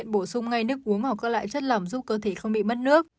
bệnh bổ sung ngay nước uống hoặc các loại chất lỏng giúp cơ thể không bị mất nước